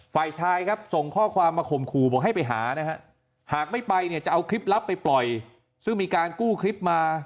ฝ่ายชายครับส่งข้อความมาข่มขู่บอกให้ไปหานะฮะหากไม่ไปเนี่ยจะเอาคลิปลับไปปล่อยซึ่งมีการกู้คลิปมา